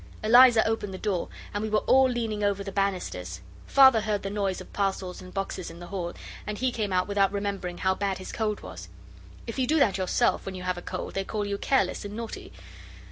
Eliza opened the door, and we were all leaning over the banisters. Father heard the noise of parcels and boxes in the hall, and he came out without remembering how bad his cold was. If you do that yourself when you have a cold they call you careless and naughty.